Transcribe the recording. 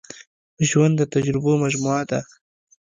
ژوند د تجربو مجموعه ده.